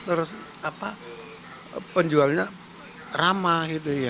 terus penjualnya ramah gitu ya